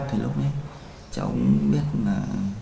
thì lúc đấy cháu cũng biết là